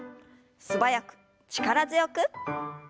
素早く力強く。